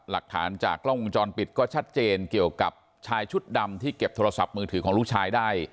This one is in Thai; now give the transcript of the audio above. หลักฐานจากกล้องวงจรปิดก็ชัดเจนเกี่ยวกับชายชุดดำที่เก็บโทรศัพท์มือถือของลูกชายได้